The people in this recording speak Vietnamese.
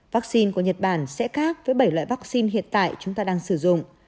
vắc xin của nhật bản sẽ khác với bảy loại vắc xin hiện tại chúng ta đang sử dụng